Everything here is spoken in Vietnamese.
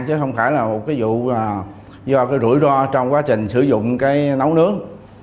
chứ không phải là một vụ do rủi ro trong quá trình sử dụng nấu nướng